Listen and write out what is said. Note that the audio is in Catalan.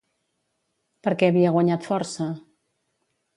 Per què havia guanyat força?